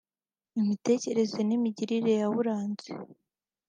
imitekerereze n’imigirire yawuranze